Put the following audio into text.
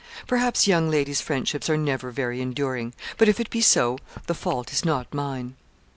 Perhaps young ladies' friendships are never very enduring; but, if it be so, the fault is not mine.'